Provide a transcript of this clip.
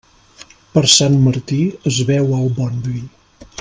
Per Sant Martí es beu el bon vi.